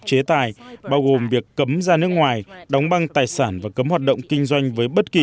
chế tài bao gồm việc cấm ra nước ngoài đóng băng tài sản và cấm hoạt động kinh doanh với bất kỳ